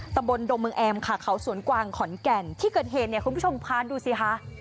ตำบลดงเมืองแอมค่ะเขาสวนกวางขอนแก่นที่เกิดเหตุเนี่ยคุณผู้ชมพานดูสิคะ